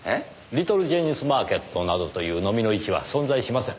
リトルジェニスマーケットなどという蚤の市は存在しません。